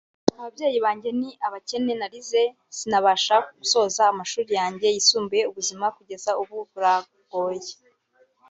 Ababyeyi banjye ni abakene narize sinabasha gusoza amashuli yanjye yisumbuye ubuzima kugeza ubu burangoye